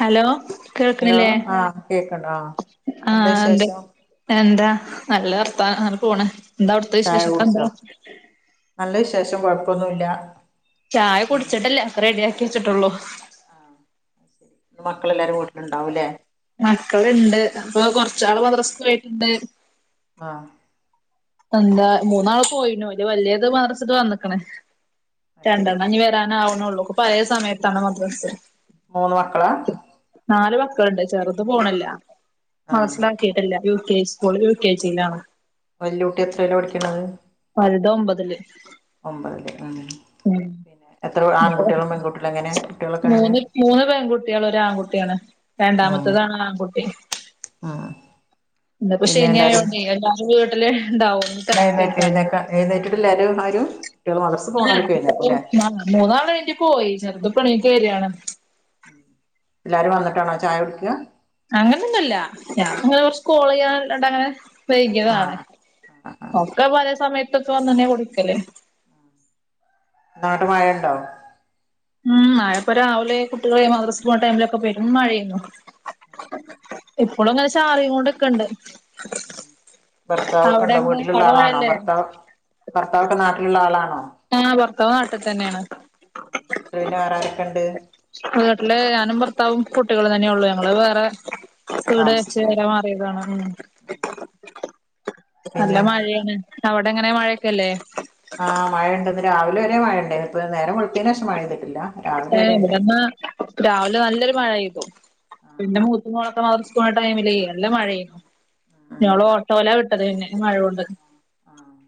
Hello hello കേൾക്ക്ണില്ലേ ആഹ് കേക്കണ്ട് ആഹ് എന്താ ആഹ് എന്ത വിശേഷം എന്താ നല്ല വർത്താനം ങ്ങനെ പോണ്. എന്താ ഔട്‌ത്തെ ചായ വിശേഷൊക്കെ എന്താ കുടിച്ചോ നല്ല വിശേഷം കൊഴപ്പൊന്നുല്ല ചായ പിന്നെ കുടിച്ചിട്ടല്ല. ഒക്കെ റെഡിയാക്കി വെച്ചിട്ടുള്ളൂ അത് ശരി, ന്ന് മക്കളെല്ലാരും വീട്ടിലുണ്ടാവൂലേ? മക്കള്ണ്ട്, പ്പൊ കൊർച്ചാള് മദ്രസ്ക്ക് പോയിട്ട്ണ്ട് ആഹ് എന്താ മൂന്നാള് പോയിനു, അയ്ല് വല്യത് മദ്രസ്ട്ട് വന്ന്ക്ക്ണ് അത് ശരി രണ്ടണ്ണം ന്നി വെര രാനാവ്ണൊള്ളൂ. ഒക്ക പയേ സമയത്താണ് മദ്രസ്സ് മൂന്ന് മക്കളാ? നാല് മക്കള്ണ്ട്. ചെർത് പോണ്ല്ല. ആഹ് മദ്രസിലാക്കി ട്ട്ല്ല. U K school U K G ലാണ് വല്ല്യ കുട്ടി എത്രയിലാ പഠിക്ക്ണത്? വൽത് ഒമ്പത് ല് ഒമ്പത് ല് ആഹ്. പിന്നെ എത്ര ഉം ആൺകുട്ട്യളും പെൺകുട്ട്യളും എങ്ങനെ കുട്ട്യളൊക്കെ എങ്ങനെ? മൂന്ന് മൂന്ന് പെൺകുട്ട്യാളും ഒരാൺകുട്ട്യാണ് ഉം രണ്ടാമത്തതാണ് ആൺകുട്ടി, ഉം ന്ന്പ്പ പിന്നെ ശനി ആയോണ്ടേയ് എല്ല രും വീട്ടില് ണ്ടാവും [inaudible] ഏതക്ക എഴ്നേറ്റിട്ടില്ലരും ആരും? കുട്ടികള് മദ്രസ പോണോരൊക്കെ എഴുന്നേക്കും ല്ലേ ആ മൂന്നാള് പോയി ചെറുത് പണിറ്റെ രാണ് എല്ലാരും വന്നിട്ടാണോ ചായ കുടിക്കാ? അങ്ങനൊന്നുല്ല. ഞാൻങ്ങനെ കൊർച്ച് കോളെയ്യാൻലൊണ്ടങ്ങനെ വൈകിയതാണ്. ആഹ് ആഹ് ആഹ് ഒക്ക പലേ സമയത്തൊക്കെ വന്നന്നെ കുടിക്കല് ഇന്നാട്ട് മഴണ്ടോ? ഉം മഴപ്പാ രാവിലെ കുട്ടികളെ മദ്രസ്ക് പോണ ടൈമിലൊക്കെ പെരും മഴേന്നു ഇപ്പളുംങ്ങനെ ചാറിങ്ങോണ്ട്ക്ണ്ട്. ഉം ഭർത്താവൊക്കണ്ട എങ്ങനെ വീട്ടില്ള്ള അവിടെ ആളാണോ മഴല്ലേ ഭർത്താവ്? ഭർത്താവൊക്കെ നാട്ടില്ള്ള ആളാണോ? ആഹ് ഭർത്താവ് നാട്ട് തന്നേണ് വീട്ട് പിന്നെ വേറാരൊക്കെണ്ട്? വീട്ടില് ഞാനും ഭർത്താവും കുട്ടികളും തന്നെയൊള്ളൂ. ഞങ്ങള് വേറെ വീട് വെച്ച് താമസിക്കണേ ങ്ങനെ മാ പെയ്തതാണ് ഉം നല്ല പിന്നെ മഴേണ് അവടെങ്ങനെ മഴയൊക്കെല്ലേ? ആഹ് മഴയണ്ടന്ന് രാവിലെ വരെ മഴയണ്ടേ ഇപ്പൊ നേരം വെൾത്തെന്റെശം മഴ്തിട്ടില്ല. ഏ ഇവിടന്ന് രാവിലെ നല്ലൊരു മഴയ്തു ആഹ് പിന്നെ മൂത്തോമ തൂ മദ്രസകൊണ ടൈമില് നല്ല മഴയ്നു ഉം ഞങ്ങൾ ഓട്ടോല്ല വിട്ടത് നെ മഴോണ്ട്. ആഹ്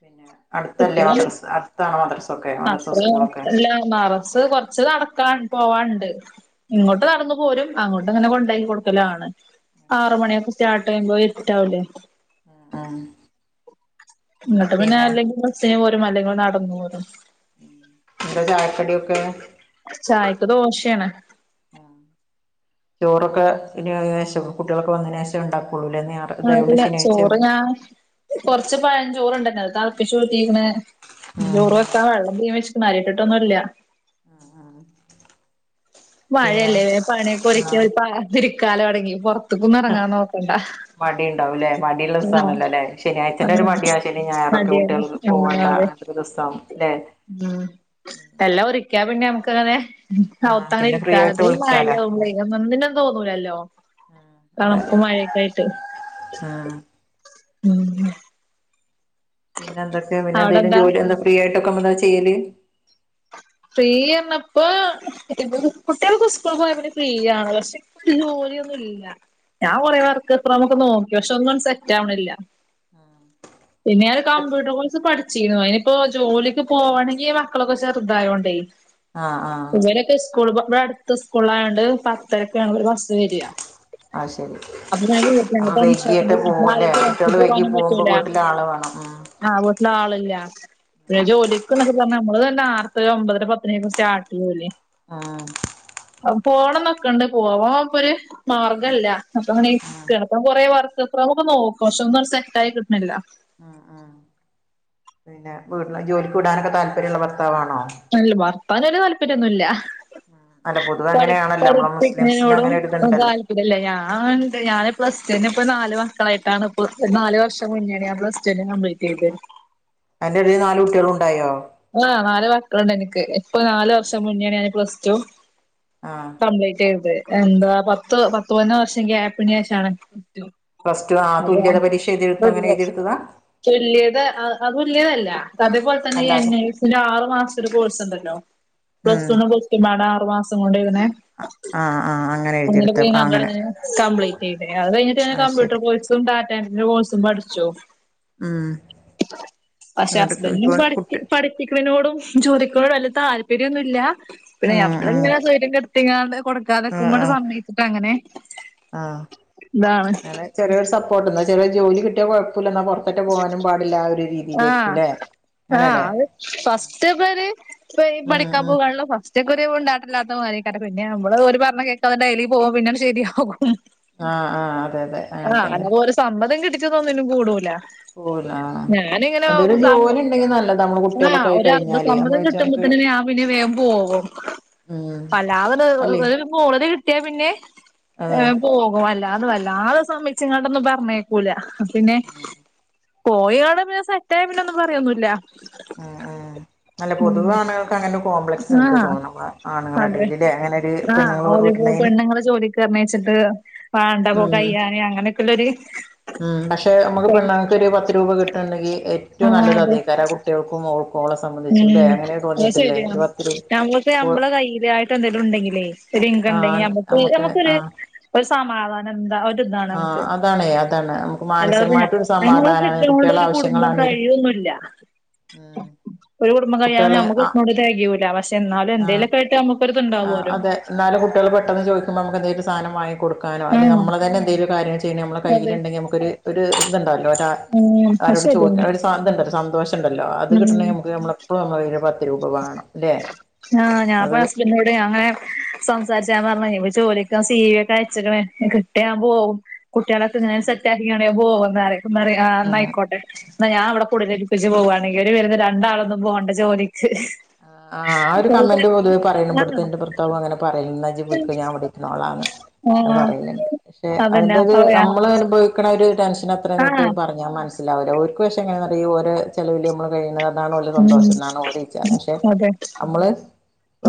പിന്നെ അടുത്തല്ലേ മദ്രസ അടുത്തണോ മദ്രസൊക്കെ? മദ്രസ സ്കൂളൊക്കെ അത്രല്ല മറസ്സ് കൊ കൊറച്ച നടക്കാൻ പോവാൻണ്ട് ഉം ഇങ്ങോട്ട് നടന്നു പോരും. അങ്ങോട്ട് ഇങ്ങനെ കൊണ്ടോയ് കൊടുക്കലാണ് ശരി. ആറ്മണിയൊക്കെ സ്റ്റാർട്ട് ചെയ്യുമ്പോ ഇര്റ്റാവുല്ലേ ആ ആഹ് ങ്ങട്ട് പിന്നെ അല്ലെങ്കിൽ ബസ്സിന് പോരുംല്ലെങ്കി നടന്നുലും എന്താ ചായക്കടിയൊക്കെ? ചായക്ക് ദോശയാണ്. ഉം ചോറൊക്കെ ഇടിയാകെഷ് വോ കുട്ടികളൊക്കെ വന്നയ്ന്റെഷം ഉണ്ടാക്കുള്ളൂലേ? ആല്ല ചോറ് ഞാ കൊർച്ച് പയചോറുണ്ടല്ലോ അതാളിപ്പിച്ചു റ്റീക്ണ് ഉം ചോറ് വ ആഹ എള്ബി വെച്ച്ക്കുണ് അരി ഇട്ടിട്ടൊന്നുല്ല ആഹ ആഹ മഴയല്ലേ വേ പണിയൊക്കെ ഒരിക്കി ആഹ് ഒര് പാകത്തിരിക്കാലൊ അടങ്ങി പൊറത്ക്കൊന്നും എറങ്ങാൻ നോക്കണ്ട. മടിണ്ടാവുംല്ലേ ആഹ് മടിയുള്ളോസാണല്ലോലേ ശെനിയായ്ച്ചന്റെ ഒരു ആഹ് മടിയാവ ശനിം ഞായറൊക്കെ മടിയാണ് കുട്ടികൾക്ക് പോവണ്ട ആണ്ട്ക്കരൊസ്സവും ല്ലെ? അഹ് എല്ലാം ഒറിക്കാ പിന്നെ നമുക്ക് അങ്ങനെ ആഹ് [unintelligible] പിന്നെ ഫ്രീ ആയിട്ട് വിളിക്കാലോ മഴയാകുമ്പഴേ ഒന്നിനും തോന്നൂലല്ലോ അതെ തണുപ്പ് മഴഴൊക്കെ ആയിട്ട് ആഹ് മ് പിന്നെ പിന്നെ എന്തൊക്കെയാ പിന്നെന്തെലും അവിടെന്താ ജോലി എന്താ ഫ്രീ ആയിട്ടൊക്കെ എന്താ ചെയ്യല് ഫ്രീ എന്നപ്പോ ഇതിപ്പോ കുട്ടികളൊക്കെ സ്കൂൾ പോയെ പിന്നെ ഫ്രീയാണ് പക്ഷെ വീട്ടില് ജോലിയൊന്നും ഇല്ല ഞാൻ കുറെ വർക്ക് ഫ്രം ഹോം ഒക്കെ നോക്കി പക്ഷെ ഒന്നും സെറ്റ് ആവണില്ല അഹ് പിന്നെ ഞാൻ കമ്പ്യൂട്ടർ കോഴ്സ് പഠിച്ചിരുന്നു അനിപ്പോ ജോലിക്ക് പോകവാണെങ്കിൽ മക്കളൊക്കെ ചെറുതായോണ്ട് ആയി ആഹ് ആഹ് ഇവരൊക്കെ സ് സ്കൂള് പോ ഇവിടെ അടുത്ത സ്കൂളായോണ്ട് പത്തരക്കാണ് ഒരു ബസ്സ് വരിക ആശരി അപ്പ ഞാന് കുട്ടികള് വൈകി [unintelligible] പോകുമ്പോ പറ്റൂല. വീട്ടില് ആള് വേണം ഉം ആഹ് വീട്ടില് ആളില്ല പിന്നെ ജോലിക്കൊന്നൊക്കെ പറഞ്ഞാ നമ്മള് തന്നെ നേർത്ത ഒമ്പത് ഒമ്പത് പത്തര ആകുമ്പോ സ്റ്റാർട്ട്‌ ചയ്യുല്ലേ ആഹ് അഹ് പോണന്നൊക്കെണ്ടേ പോവാ ഓ ഇപ്പൊരു ഉം മാർഗല്ല അപ്പ അങ്ങനെ ഉം കിടപ്പ കുറേ വർക്ക് ഫ്രം ഹോം ഒക്കെ നോക്കും പക്ഷെ ഒന്നും അങ്ങോട്ട് സെറ്റായിട്ടൊന്നുമില്ല ആഹ് ആഹ് പിന്നെ വീട്ടില് ജോലിക്ക് വിടാനൊക്കെ താല്പര്യമുള്ള ഭർത്താവാണോ അല്ല ഭർത്താവിന് വല്യ താൽപ്പര്യൊന്നുമില്ല അല്ല പൊതുവെ പടി അങ്ങനെയാണല്ലോ നമ്മളെ മുസ്ലിംസിന് പടിപ്പിക്കുന്നതിനോടും അങ്ങനെ ഒന്നും ഒരിതുണ്ടല്ലോ താല്പ ഇല്ലില്ല ഞാണ്ട് ഞാന് പ്ലസ് ടു അന്നെ ഇപ്പ നാല് മക്കളായിട്ടാണ് ഇപ്പൊ നാല് വർഷം മുന്നേയാണ് ഞാ പ്ലസ്ടു കംപ്ലീറ്റ് ചയ്തേ അയിന്റെ ഇടയില് നാല് കുട്ടികളും ഉണ്ടായോ ആഹ് നാല് മക്കളുണ്ട് എനക്ക് ഇപ്പൊ നാല് വർഷം മുന്നേയാണ് ഞാൻ പ്ലസ് ടു ആഹ് കംപ്ലീറ്റ് ചെയ്ത് എന്താ പത്ത് പത്തൊന്നോ വർഷം ഗ്യാപ്പിന് ശേഷമാണു പ്ലസ് ടു ആഹ് തുല്യത പരീക്ഷ എഴുതി എടുത്ത് അങ്ങനെ എഴുതിയെടുത്തതാ തുല്യത അത് തുല്യത അല്ലാ അതേപോലെ തന്നെ ഈ എൻ അല്ലാതെ എ സ്സിന്റെ ആറ് മാസത്തിന്റെ ഒരു കോഴ്സ് ഉണ്ടല്ലോ പ്ലസ് ഉം വണ്ണും പ്ലസ് ടു പാടെ ആറു മാസം കൊണ്ട് എഴുതണെ ആഹ് ആഹ് അങ്ങനെ എഴുതിയെടുത്ത പോയി ആ ഞാൻ അങ്ങനെ അങ്ങ് കംപ്ലീറ്റ് ചെയ്തേ അത് കഴിഞ്ഞിട്ട് പിന്നെ അത് കമ്പ്യൂട്ടർ ശരി കോഴ്സ് അതും ഡാറ്റാ എൻട്രി കോഴ്സും പഠിച്ചൂ ഉം പക്ഷെ എന്നിട്ട് ഹസ്ബൻടിനും ഇപ്പൊ പഠപ്പി കുട്ടി പഠപ്പിക്കുന്നതിനോടും ജോലിക്ക് പോന്നതിനു വല്യ താല്പര്യോന്നുല്ല പിന്നെ ഉം ഉം ഞമ്മളിങ്ങനെ സൊയിര്യം കെടുത്തിങ്ങാണ്ട് ആഹ് കൊടുക്കാതെക്കുമ്പാണ്ട് ആഹ് സമ്മയിച്ചിട്ട് അങ്ങനെ ആഹ് അതാണ് അങ്ങനെ ചെറിയൊരു സപ്പോർട്ട്ണ്ട് ചെറിയ ജോലി കിട്ടിയ കൊഴപ്പുല്ല ന്നാ പൊർത്തെറ്റെ പോകാനും പാടില്ല ആ ഒരു ആഹ് രീതിയിലേര്ക്കും ല്ലേ ആഹ് അത് ഫസ്റ്റ് പേര് ഇപ്പ ഈ ഉം പഠിക്കാൻ ഉം പോകാണല്ലോ ഫസ്റ്റ് [unintelligible] പിന്നെ നമ്മള് ഓരു പറഞ്ഞാ കേൾക്കാതെ ടെയിലി പോകും പിന്നെ അങ്ങ് ശരിയാകും ആഹ് ആഹ് അതെ അതെ ആഹ് അങ്ങനെ ഓരെ സമ്മതം കിട്ടിട്ടൊന്നും ഒന്നിനും കൂടുല്ല പോവൂല ആഹ് ഞാനിങ്ങനെ ഓ എന്തേലും സാം ജോലി ഉണ്ടെങ്കി നല്ലതാ നമ്മള് ആഹ് കുട്ടികളൊക്കെ ആയി ഒരു അർധ കഴിഞ്ഞാല് സമ്മതം നമ്മള് കിട് വെച്ച നമുക്ക് കിട്ടുമ്പോത്തിന് ഞാൻ പിന്നെ വേഗം പോകും ഉം വല്ലാത്ട് അല്ലേ [unintelligible] മൂളല് കിട്ടിയാ പിന്നെ അതെ ഏഹ് പോകും അല്ലാതെ വല്ലാതെ സമ്മതിച്ച്ങ്ങാണ്ട് ഒന്നും പറഞ്ഞേ ക്കൂല അപ്പൊ പിന്നെ പോയാ അവ്ടെ ഒന്ന് സെറ്റായാ പിന്നെ ഒന്നും പറയൊന്നുഇല്ല ഉം ഉം അല്ല പൊതുവെ ആണുങ്ങൾ ക്കങ്ങനെ ഒരു കോംപ്ലക്സ് ഇണ്ട് ആഹ് തോന്നുന്ന് ആണുങ്ങള്ടെ അതെ എടേല് ല്ലേ അങ്ങനെ ഒര് പെണ്ണുങ്ങളെ വിടണേല് ഇങ്ങളെ ജോലി ക് രമേച്ചിപ്പാഴ്യോ ഉം ഉം പക്ഷെ നമുക്ക് പെണ്ണങ്ങക്ക് എടീ ഒരു പത്ത് രൂപ കിട്ട്ണ്ടെങ്കി ഏ ഏറ്റവും ആഹ് നല്ലത് അതെ അതെയ്കാരം ആ കുട്ടികൾക്കും ഓൾക്കും ഓളെ ഹസ് ഉം അത് ശരിയാണ് രൂപ നമ്മക്ക് പോ നമ്മളെ കയ്യിലായിട്ട് എന്തെങ്കിലും ഇണ്ടെങ്കിലെ ഒരിങ്കം ഇണ്ടെങ്കി ആഹ് ഞമ്മക്ക് നമുക്ക് ഞമ്മക്കൊര് ആഹ് ഒര് സമാധാനം എന്താ ഒരു ഇതാണ് ആഹ് നമുക്ക് അതാണേ അതാണ് നമ്മ അല്ലാതെപ്പൊ ഞമ്മക്കൊന്നും കിട്ടിയോണ്ട് ഒരു കുടുംബം ആവശ്യങ്ങളാണേലും കഴിയൊന്നുല്ല ഉം ഒരു കുടുംബം കഴിയാനൊന്നും കുട്ടികളെ നമ്മക്ക് ആഹ് കിട്ട്ണേനോണ്ട് തികയൂല പക്ഷേ എന്നാലും ആഹ് എന്തേലൊക്കെ ആയിട്ട് നമ്മക്കൊരു ആഹ് അതെ ഇന്നാലും കുട്ടികൾ പെട്ടന്ന് ചോയിക്കുമ്പോ നമ്മക്ക് എന്തേലും ഒരു സാനം വാങ്ങി കൊ കൊടുക്കാനോ അല്ലെ ആഹ് നമ്മെള തന്നെ എന്തെലും കാര്യങ്ങള് ചെയ്യാനോ നമ്മളെ അതെ കയ്യില്ണ്ടെങ്ങി നമ്മക്ക് ഒരു ഒര് ഇതുണ്ടാവല്ലോ ഒരാ ഉം അത് ശെരിയാണ് സാധണ്ടല്ല സന്തോഷണ്ടല്ലോ അത് കിട്ടണമെങ്കിൽ നമ്മക്ക് നമ്മളപ്പളും നമ്മളെ കൈയില് ഒരു പത് ആ ഞാനിപ്പോ അത് ഹസ്ബൻഡോട് അങ്ങനെ- സംസാരിച്ച് ഞാൻ പറഞ് ഇപ്പൊ ജോലിക്ക് പോവാൻ സീ വി യൊക്കെ അയച്ച്ക്ക്ണ് കി ഞാൻ പോവും കുട്ട്യാളെക്കെ ഇങ്ങനെ സെറ്റ്ആക്കിക്കാണ്ട് ഞാൻ പോവുന്ന് അറിം അപ്പം പറയും എന്നാ ആഹ് ആയിക്കോട്ടെ എന്നാ ഞാൻ അവിടെ കൂലൽ [unintelligible] പ്പിച്ച് പോവവാണങ്കിൽ ഒരു വരുന്ന രണ്ടാളൊന്നും പോകേണ്ട ജോലി ശ് ആഹ് ആഹ് ആ ഒരു കമെന്റ് പൊതുവെ പറയ് [unintelligible] ബട്ത്തെ ഇന്റെ ഭർത്താവും അങ്ങനെ ക്കെ [unintelligible] ഇജ് പൊയ്ക്കോ ഞാൻ ഇവടെ ഇരുന്നോളാന്ന് അഹ് ആഹ് പറയിണെ പക്ഷെ അതന്നെ അതിന്റെ ഒരു അതെയാ നമ്മള് അനുഭവി നിക്കണ ഒരു ടെൻഷൻ അത്ര ഇവർക്ക് ആഹ് പറഞ്ഞാ മനസ്സിലാവില്ല ഓർക്ക് പക്ഷേ എങ്ങനെയാന്നറിയോ ഓര് ചെലവില് നമ്മള് കഴിയുന്നത്- ഇതാണ് ഓലെ ഉം സന്തോഷം ഇന്നാണോര് ക്ക പക്ഷെ അതെ നമ്മള്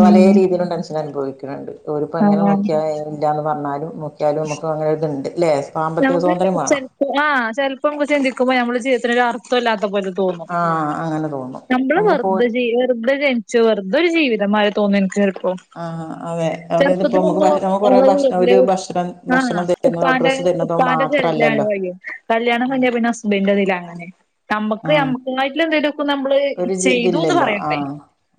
ഉം രീതിയിലും ടെൻഷൻ അനുഭവിക്ക്ണ് ണ്ട് ഓര് ഇപ്പൊ എങ്ങനെ ആഹ് നോക്കിയാലും ഏഹ് വെരന്റാന്ന് പറഞ്ഞാലും നോക്കിയാലും നമുക്ക് അങ്ങനെ ഒര്ത്ണ്ട് ല്ലേ സാമ്പത്തിക നമുക്ക് സ്വാതന്ത്ര്യം വേണം ചിൽപ്പം ആ ചെലപ്പം നമ്മള് ചിന്തിക്കുമോ നമ്മള് ജീവിതത്തിനൊരു അർ അർത്ഥുല്ലാത്ത പോലെ തോന്നും ആഹ് അങ്ങനെ തോന്നും നമ്മള് നമുക്കിപ്പോ വെറ്തെ ഓര് ജീവിച്ച് വെറ്തെ ജനി ചെറുതൊരു ജീവിതം മാരീ തോന്നും എനിക്ക് ചെലപ്പോ ആഹ് അതെ അതായത് ഇപ്പോ ചെർപ്പത്തിൽ നമുക്ക് ഭ നമുക്ക് കൊറെ ഭക്ഷ ഒരു ഒന്നും ഭക്ഷണം [unintelligible] ആ ഭക്ഷണം തരുന്നതോ ഉപ്പാന്റെ ഡ്രസ്സ് തരുന്നതോ പ്പാന്റെ ചെലവിലാണ് മാത്രല്ലല്ലോ കയ്യും. കല്യാണം കയിഞ്ഞ പിന്നെ ഹസ്ബന്റ തിലങ്ങനെ, നമ്മക്ക് ആഹ് ഞമ്മ [unintelligible] എന്തേലൊക്കെ നമ്മള് ഒരു ജ് ചെയ്തുന്ന് ഇതില്ലല്ലോ പറയണ്ടേ ആഹ്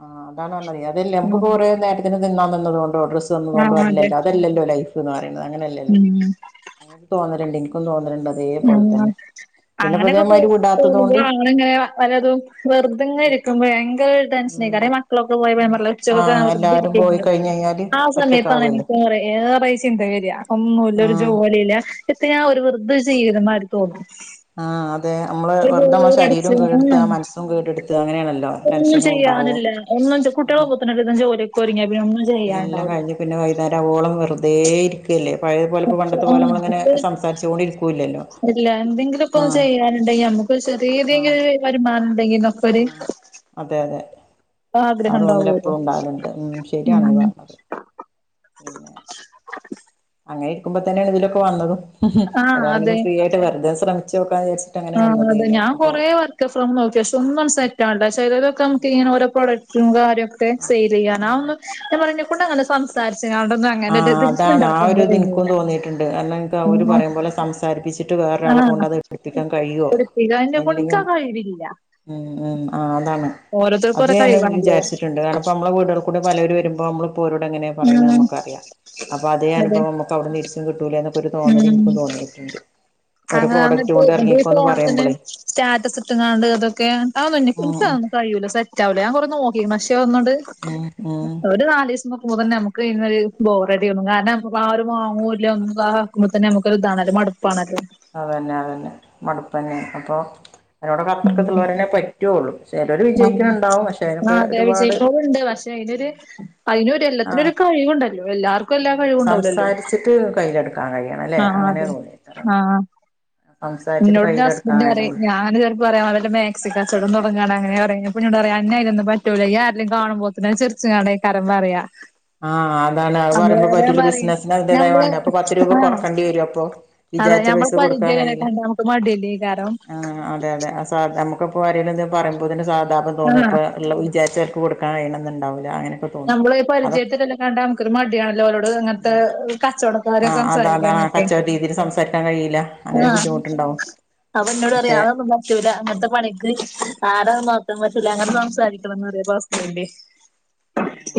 ആഹ് അതാണ് പറഞ്ഞത് അതല്ലേ ഉം നമുക്ക്പ്പോ കുറേ നേര ത്തിന് തിന്നാൻ തന്നതോണ്ടോ ഡ്രസ്സ് തന്നതു കൊണ്ടോ ആഹ് അതെ അല്ലല്ലോ അതല്ലല്ലോ ലൈഫ്ന്ന് പറയണെ അങ്ങനല്ലല്ലോ ഉം ഇൻക്കും തോന്നല്ണ്ട് ഇനിക്കും തോന്നലിണ്ട് അതൊ ആഹ് അങ്ങനെക്കെ തൊ വിടാത്തത് കൊണ്ട് തോന്നുമ്പളാണ് നമ്മളിങ്ങനെ പലതും വെറ്തെ ങ്ങനെ ഇരിക്കുമ്പേ ഭയങ്കര ഉം ടെൻഷനെയ്കാരം ഈ മക്കളൊക്കെ പോയ പിന്നെ ഞാ പറഞ്ഞില്ലേ ഉച്ചക്കെ ആഹ് ഞാൻ വെറ്തെ എല്ലാരും പോയി ഇരിക്കേക്കാരം കഴിഞ്ഞ് കഴിഞ്ഞാല് ആഹ് സമയത്താണ് ഒറ്റക്കാവല്ലോ എനിക്കേറെ ഏറെ ഈ ചിന്ത വരാ ഒന്നൂല്ല ഒരു ആഹ് ജോലില്ല എത്തിനാ ഓര് വെറ്തെ ചെയ്യ്ണ മാരി തോന്നും. ആഹ് അതെ അമ്മള് ഒരു വെർതെ മ്മളെ ശരീരം ബോറടിച്ച് ഉം കേടട്ത്ത മൻസ്സും കേടെട്ത്താ അങ്ങനാണല്ലോ ഒന്നും ടെൻഷനും ഇണ്ടാവും. ചെയ്യാനില്ല ഒന്നും [unintelligible] ജോലി ക്കൊരുങ്ങിയാൽ പിന്നെ ഒന്നും എല്ലാം ചെയ്യാനുണ്ടാവില്ല കഴിഞ്ഞ് പിന്നെ വൈന്നേരം ആവോളം വെറ്തേ ഇരി ല്ലേ പഴയപോലെ ഇപ്പോ അപ്പൊ പണ്ടത്തെ പോലെ ഉം നമ്മളിങ്ങനെ അപ്പൊ സംസാരിച്ചോണ്ടിരിക്കൂല്ലല്ലോ. ഇപ്പം ചെയ്യാനുണ്ടെങ്കി അമ്മുക്ക് ചെറിയതെങ്കിലോ വരുമാനംണ്ടെങ്കിലൊക്കൊര് ആഹ് അതെ അതെ അ തോന്നല് ഉണ്ടാവുമല്ലോ എപ്പളും ഇണ്ടാവാല്ണ്ട്. ഉം ശരിയാണ് യ്യ് ഉം പർഞ്ഞത്. പിന്നെ അങ്ങെ ഇര്ക്കുമ്പോ തന്നേണ് ഇതിലൊക്കെ വന്നതും ആ ഒരാളെങ്കിലും അതെ ഫ്രീ ആയിട്ട് വെർതെ ശ്രമിച്ചോക്കാന്ന് വിചര്ച്ച് ആഹ് അതെ ഞാൻ കൊറെ വർ ക്ക് ഫ്രം നോക്കി അശേ ഒന്നും ആണ്ട് സെറ്റാണ്ട ശേ ചെലേതൊക്കെ നമുക്ക്ങ്ങനെ ഓരോ പ്രോഡക്റ്റും കാര്യോ ക്കെ ആഹ് ആഹ് സെയിലെയ്യാനാന്നും ഞാൻ പറയാ ഇന്നെകൊണ്ട് അങ്ങനെ സംസാരിച്ച്ങ്ങാണ്ട് ആക് ആഹ് അതാണ് ആ ഒരു ഇത് ഇൻക്കും തോന്നിയിട്ട്ണ്ട്. കാരണം നക്ക് അവര് ഉം പറയും പോലെ സംസ സാരിപ്പിച്ചിട്ട് വേറൊരാളെ ആഹ് കൊണ്ടത് എടുപ്പിക്കാൻ കയ്യോ പഠിപ്പിക്കാൻ എന്നെക്കൊണ്ട് അല്ലെങ്കി ഇൻക്ക് ആ അം കഴിവില്ല ഉം ഉം ആഹ് അതാണ് ഓരോരുത്തർക്കും അത് ഓരോ ഞാനും കഴിവാണല്ലോ വിചാരിച്ച്ട്ടുണ്ട്. കാര്ണം ഇപ്പ അമ്മള വീടുകൾ കൂടി പലര് വരുമ്പോ നമ്മളപ്പോരോട് എങ്ങനെ പറിണെ ഉം നമ്മക്കറിയ അപ്പൊ അതേ അതെ അനഭവം [unintelligible] ഇൻക്കും തോന്നിയിട്ട്ണ്ട്. ആഹ് അങ്ങിട്ട് എന്റെ ഈ ഫോണ് തന്നെ സ്റ്റാറ്റസ് ഇട്ട്ങ്ങാണ്ട് അതൊക്കെ അതൊന്നും ഉം ഉം ഇന്ക്കതൊന്നും കയ്യൂല. സെറ്റ് ആവൂല ഞാൻ കൊറെ നോക്കിക്ക്ണ്. ശേ ഒന്നുണ്ട് ഉം ഉം ഒര് നാലീസ് നോക്കുമ്പോ തന്നെ നമ്മക്ക് അയ്ന്നൊര് ബോറടിയോന്നും കാരണം ആരും വാങ്ങൂല്ല ഒന്നും ആഹ് ക്കുമ്പോ തന്ന നമുക്കൊരു ഇതാണല്ലോ മടുപ്പാണല്ലോ. അതെന്നെ അതെന്നെ മട്പ്പെന്നെ അപ്പൊ അയ്നോട് അത്രക്ക് ഇത്ള്ളോരെന്നെ പ റ്റുള്ളൂ. ചെലര് ആഹ് വിജയിക്ക്ണ് ണ്ടാവും പശേ അയിനൊക്കെ ഒരുപാട് മറ്റെയ്നൊര് അയ്‌നൊര് ആഹ് എല്ലത്തിനൊരു കയ്‌വ്ണ്ടല്ലോ എല്ലാർക്കും എല്ലാ കഴിവും ഇണ്ടാവുല്ലല്ലോ. ചിറ്റ് കയ്യിലെടുക്കാൻ കയ്യണം ലെ അങ്ങനെ തോന്നി ഇന്നോട് ന്റെ ഹസ്ബന്റ് അറിം കഴിയണം ഞാ ചെൽപ്പൊ അറിം അവര്ടെ മേ ക്സിക്കച്ചോടം തൊടങ്ങാണങ്ങെനെ പറിം അപ്പഞ്ഞോട് പറയും അന്നെ അയ്നൊന്നും പറ്റൂല്ല. ഇയ്യ് ആരേലും കാണുമ്പോത്തിന് ചിർച്ച്ങ്ങാണ്ട് ക്കരം പറിയാ ആഹ് അതാണ് അത് പറയുമ്പോ പറ്റൂല്ല ബിസ്സ്നസ്ന് അയ്ന്റേതായ ഞമ്മള് വാണ്ടെ. അപ്പൊ പത്ത് രൂപ ആഹ് കൊറക്കണ്ടി വരും അപ്പൊ അതെ വിചാര്ച്ച പൈസ ഞമ്മളെ കൊട്ക്കാൻ പരിചയള്ളോരെ കഴിയില്ല. കണ്ടാ നമുക്ക് മടിയല്ലേക്കാരം ആഹ് അതെ അതെ ആ സാധ നമ്മ ള്പ്പൊ ആരെലും എന്തേലും പറയുമ്പോത്തിന് സാഹതാപം തോന്ന ആഹ് അപ്പോ ഇള്ള വിചര്ച്ച ഓൽക്ക് കൊട്ക്കാൻ കയ്യണം ന്നുണ്ടാവുല്ല അങ്ങനെക്കൊ നമ്മള് പൊ പരിചയത്തിലെല്ലാം കണ്ടാ നമ്ക്കെരു മടിയാണല്ലോ ഓലോട് ഇങ്ങൻത്തെ കച്ചോടക്കാര്യം സംസാരിക്കാനായിട്ടേ രീതില് സംസാരിക്കാ കഴിയില്ല. അങ്ങനെ ആഹ് ബുദ്ധിമുട്ടുണ്ടാവും അപ്പം ഇന്നോട് പറയാ പക്ഷെ അതൊന്നുല്ലാ പറ്റൂല ഇങ്ങൻത്തെ പണിക്ക് [unintelligible] പറ്റൂല അങ്ങനെ സംസാരി ക്കണന്നറിം അപ്പ ഹസ്ബന്റ്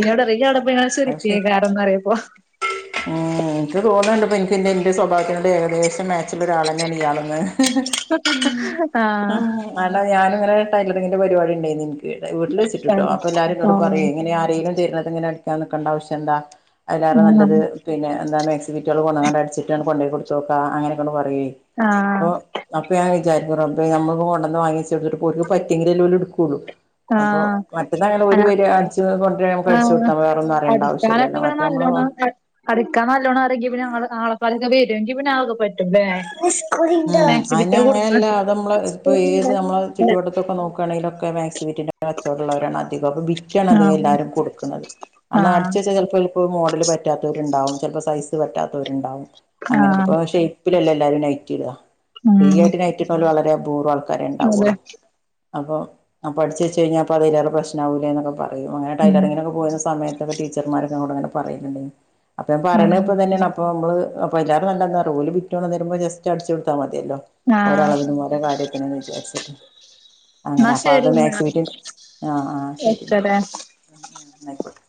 ഇന്നോടറിം ഇയ്യ് അവടെ അങ്ങനെ പറയും പോയിങ്ങാണ്ട് അത് ശരി ചിരിക്കേക്കാരം ന്ന് പറയപ്പോ ഉം ഇൻക്ക് തോന്ന്ണ്ട് പ്പോ ഇൻക്ക് ഇന്റെ സ്വഭാവത്തിനോട് ഏകദേശം മേ ച്ച്ള്ളൊരു ആളെന്നേണ് ഇയാളെന്ന്. ആഹ് അല ഞാനിങ്ങനെരു ടൈലറിങ്ങിന്റെ പരിപാടി ഇണ്ടായ്ന്നു ഇൻ ക്ക് വീട്ട്ല് വെച്ചിട്ട് ട്ടോ. ആഹ് അപ്പൊ എല്ലാരും ന്നോട് പറയും ആഹ് എങ്ങനെയാ ആരേലും തരുന്നത്ങ്ങനെ അടിക്കാൻ നിക്കണ്ട ആവശ്യന്താ? അയ്ലാറ നല്ലത്, പിന്നെ എന്താണ് മാക്സി ബിറ്റുകൾ കൊണ്ടന്നാണ്ട് അട്ച്ചിട്ട് ആണ്ട് കൊണ്ടോയി കൊടുത്തോക്കാ അങ്ങനൊക്കാണ്ട് പറയേ. ആഹ് അപ്പൊ അപ്പ ഞാ വിചാരിക്കും റബ്ബേ നമ്മക്ക് കൊണ്ടന്ന് വാങ്ങിച്ചോട്ത്ത്ട്ട് പ്പൊ ഓല്ക്ക് പറ്റെങ്കിലല്ലോല്ട്ക്കുള്ളൂ. അപ്പൊ ആഹ് ആഹ് മറ്റന്നാ അങ്ങനെ ഓര് വെരാ അട്ച്ച് കൊണ്ട്രാ നമ്മക്ക് അട്ച്ചു അനക്കാണ് കൊട്ത്താ മതി വേറൊന്നും അറിയണ്ടാവ അടിക്കാനൊക്കെ ശ്യല്ലല്ലോ പിന്നെ മറ്റേ നമ്മള് വാ നല്ലോണം അടിക്കാൻ നല്ലോണം അറിയേങ്കി പിന്നെ [unintelligible] വെരെങ്കി പിന്നെ ആതൊക്കെ പറ്റുംല്ലേ? ആഹ് അയിനങ്ങനല്ല. അത് മ്മള് ഇപ്പൊ ഏത് നമ്മളെ ആഹ് ചുറ്റുവട്ടത്തൊക്കെ നോക്കാണെങ്കിലൊക്കെ മാക്സി ബിറ്റിന്റെ കച്ചോടള്ളവരാണ് അധികോം. അപ്പൊ ബിറ്റാണ് അധികെല്ലാരും കൊട്ക്ക്ണെ. അന്നാ അട്ച്ച് ആഹ് വെച്ചത് ചെൽപ്പോല് പ്പോ മോഡല് പറ്റാത്തോര്ണ്ടാവും, ചെൽപ്പോ സൈസ് പറ്റാത്തോര്ണ്ടാവും അങ്ങനൊക്കെ ആഹ് ഇപ്പൊ ഷേയ്‌ പ്പിലല്ലേ എല്ലാരും നൈറ്റിടാ, ഫ്രീ ഉം ആയിട്ട് നൈറ്റിട്ടോല് വളരെ അപൂർവം ആൾക്കാരെ അതെ ഉണ്ടാവുള്ളു. അപ്പൊ അപ്പൊ അടിച്ച് വെച്ച് കഴിഞ്ഞാപ്പൊ അതിലാറെ പ്രേശ്നാവുലെന്നൊക്കെ. പറയും, അങ്ങനെ ഉം ടൈലറിങ്ങിനൊക്കെ പോയിന്ന സമയത്തൊക്കെ ടീച്ചർമാരൊക്കെ ഇന്നോട് ഇങ്ങനെ പറയാല്ണ്ടീന്നു, അപ്പ ഞാൻ ആഹ് പറയണത് ആഹ് ഇപ്പൊതെന്നേണ്, അപ്പൊ മ്മള് അപ്പേല്ലാരും നല്ലെന്താറിയോ ഓര് ബിറ്റ് കൊണ്ടന്നെരുമ്പോ ജസ്റ്റ് റ്റടിച്ചു കൊടുത്താ മതിയല്ലോ ഓരളവിനും ഓര കാര്യത്തിനുംന്ന് വിചാരിച്ച്ട്ട്. എന്നാ അങ്ങനെ അപ്പൊ അത് ശരി എന്നാ മാക്സിബിറ്റും ആഹ് ആഹ് ശെരിന്ന. വെച്ചേരെ ആ ആ ന്നയിക്കോട്ടെ.